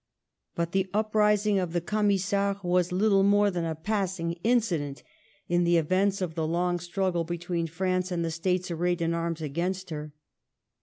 But the uprising of the Camisards was little more than a passing incident in the events of the long struggle between France and the States arrayed in arms against her.